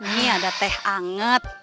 nih ada teh anget